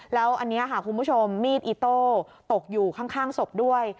แล้วอันนี้ค่ะคุณผู้ชมมีดอิโต้ตกอยู่ข้างศพด้วย